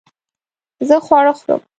زه خواړه خورم